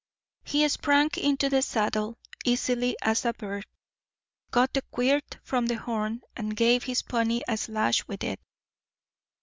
He sprang into the saddle easily as a bird, got the quirt from the horn, and gave his pony a slash with it.